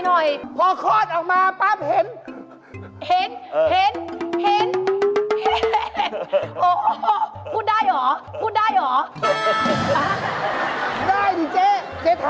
นี่กำลังฮิต